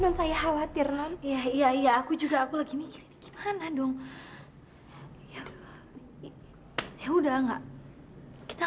saya khawatir iya iya aku juga aku lagi mikir gimana dong ya udah enggak kita